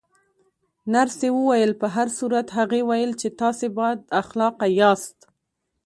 نرسې وویل: په هر صورت، هغې ویل چې تاسې بد اخلاقه یاست.